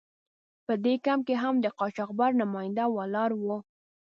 په دې کمپ کې هم د قاچاقبر نماینده ولاړ و.